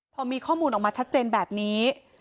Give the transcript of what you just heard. พอมีข้อมูลออกมาชัดเจนแบบนี้